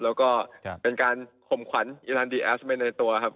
แล้วก็เป็นการข่มขวัญอีรันดีแอสไปในตัวครับ